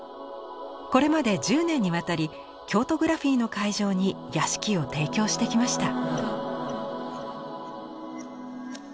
これまで１０年にわたりＫＹＯＴＯＧＲＡＰＨＩＥの会場に屋敷を提供してきました。